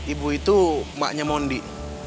ibu itu emaknya mondi